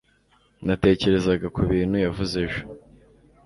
Natekerezaga kubintu yavuze ejo.